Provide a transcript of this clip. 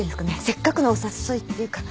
せっかくのお誘いっていうか。